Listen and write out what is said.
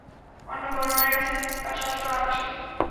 অন্য বর্ণনায় আছে, তা ষষ্ঠ আকাশে।